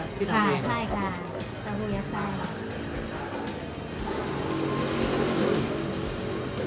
ใช่ค่ะตะหูเยอะใส่